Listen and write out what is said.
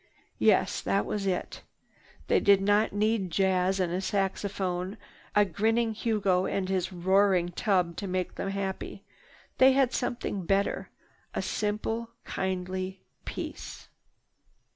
Yes, that was it. They did not need jazz and a saxophone, a grinning Hugo and his roaring tub to make them happy. They had something better, a simple, kindly peace.